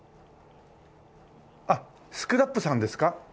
あっスクラップさんですか？